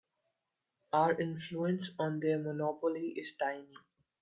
Our influence on their monopoly is tiny.